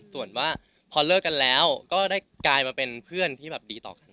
ถ้าพอเลือกกันแล้วก็ได้กลายมาเป็นเพื่อนที่แบบดีต่อกันครับ